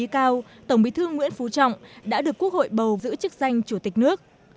kỳ họp thứ bảy